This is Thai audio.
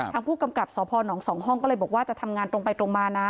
ทางผู้กำกับสพน๒ห้องก็เลยบอกว่าจะทำงานตรงไปตรงมานะ